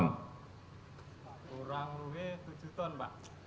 pak kurang luwe tujuh ton pak